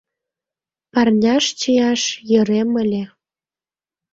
Парняш чияш йӧрем ыле.